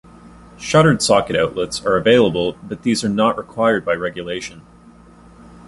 "Shuttered" socket-outlets are available, but these are not required by regulation.